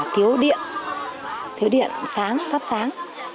thiếu điện thiếu điện sáng thắp sáng